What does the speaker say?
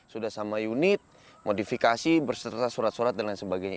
sudah sama unit modifikasi berserta surat surat dan lain sebagainya